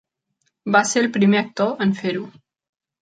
Va ser el primer actor en fer-ho.